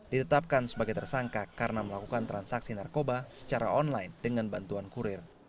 ditetapkan sebagai tersangka karena melakukan transaksi narkoba secara online dengan bantuan kurir